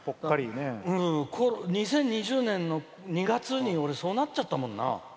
２０２０年の２月に俺、そうなっちゃったもんな。